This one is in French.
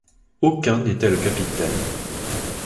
Aucun n’était le capitaine.